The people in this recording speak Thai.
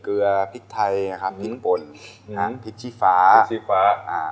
เกลือพริกไทยอ่ะครับชิ้นป่นทั้งพริกชีฟ้าพริกชีฟ้าอ่า